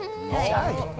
はい。